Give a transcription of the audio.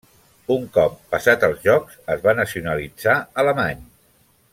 Un cop passat els Jocs es va nacionalitzar alemany.